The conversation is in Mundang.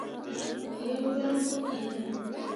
Mo ye wel vokki ne.